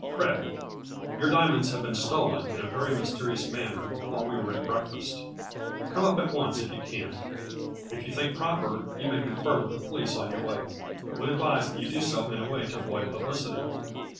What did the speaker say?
Fred, — Your diamonds have been stolen in a very mysterious manner while we were at breakfast Come up at once if you can. If you think pro A FLURRY IN DIAMONDS. 21 per, you may confer with the police on your way, but would advise that you do so in a way to avoid publicity.